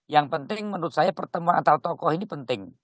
yang penting menurut saya pertemuan antar tokoh ini penting